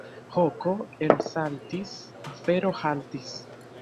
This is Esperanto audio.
Hoko elsaltis, afero haltis.